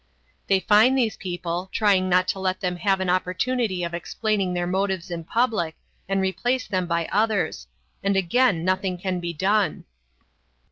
They fine these people, trying not to let them have an opportunity of explaining their motives in public, and replace them by others. And again nothing can be done.